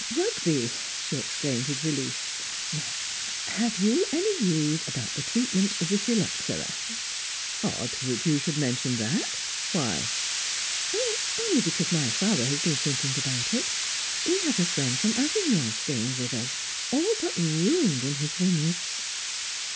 "Rugby!" she exclaimed, with relief. "Have you any views about treatment of the phylloxera?" "Odd that you should mention that. Why?" "Only because my father has been thinking about it: we have a friend from Avignon staying with us all but ruined in his vineyards."